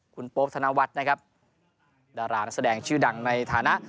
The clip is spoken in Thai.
คุณโป๊ปธนวัฒน์นะครับดารานักแสดงชื่อดังในฐานะ